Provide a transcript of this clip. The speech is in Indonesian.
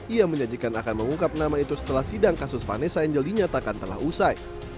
ia menyajikan akan mengungkap nama itu setelah sidang kasus vanessa angel dinyatakan telah usai